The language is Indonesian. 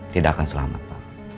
tidak akan selamat pak